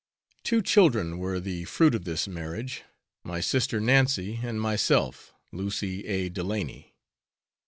Two children were the fruit of this marriage, my sister Nancy and myself, Lucy A. Delaney.